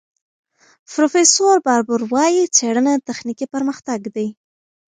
پروفیسور باربور وايي، څېړنه تخنیکي پرمختګ دی.